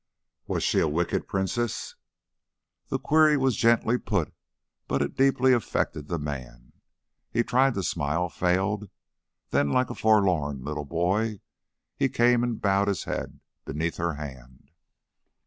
"Was she a wicked princess?" The query was gently put, but it deeply affected the man. He tried to smile, failed, then like a forlorn little boy he came and bowed his head beneath her hand.